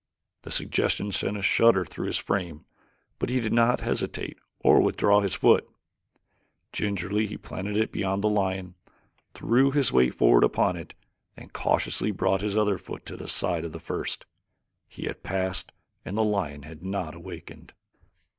The suggestion sent a shudder through his frame but he did not hesitate or withdraw his foot. Gingerly he planted it beyond the lion, threw his weight forward upon it and cautiously brought his other foot to the side of the first. He had passed and the lion had not awakened.